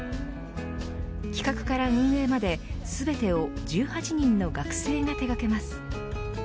企画から運営まで全てを１８人の学生が手がけます。